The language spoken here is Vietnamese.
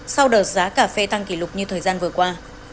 sau đợt giá cà phê tăng kỷ lục như thời gian vừa qua